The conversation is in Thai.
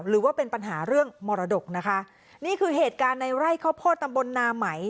หรือว่าเป็นปัญหาเรื่องมรดกนะคะนี่คือเหตุการณ์ในไร่ข้าวโพดตำบลนาไหม